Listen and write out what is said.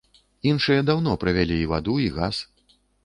Іншыя даўно правялі і ваду, і газ.